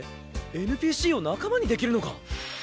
ＮＰＣを仲間にできるのか？